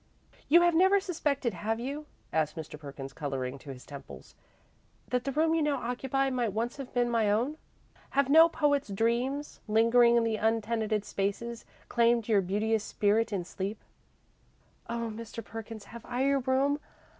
"You have never suspected, have you," asked Mr. Perkins, colouring to his temples, "that the room you now occupy might once have been my own? Have no poet's dreams, lingering in the untenanted spaces, claimed your beauteous spirit in sleep?" "Oh, Mr. Perkins, have I your room?